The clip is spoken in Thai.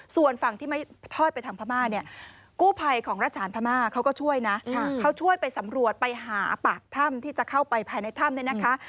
ส่วนฝั่งที่ไม่ทอดไปทางพม่าเนี่ยกู้ภัยของรัฐฉานพม่าเขาก็ช่วยนะเขาช่วยไปสำรวจไปหาปากถ้ำที่จะเข้าไปภายในถ้ำเนี่ยนะคะ